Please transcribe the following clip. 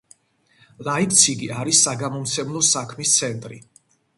ლაიფციგი არის საგამომცემლო საქმის ცენტრი.